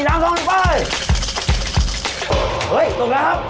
เฮ้ยจบแล้วครับ